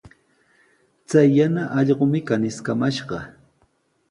Chay yana allqumi kaniskamashqa.